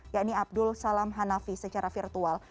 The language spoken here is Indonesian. yakni abdul salam hanafi secara virtual